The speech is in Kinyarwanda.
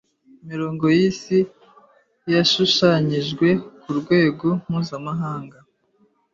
Imirongo yisi yashushanijwe kurwego mpuzamahanga